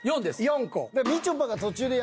４個。